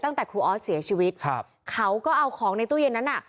ตั้งแต่ครูออสเสียชีวิตครับเขาก็เอาของในตู้เย็นนั้นน่ะ